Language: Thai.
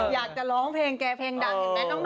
อยากจะร้องเพลงแกเพลงดังอย่างนั้น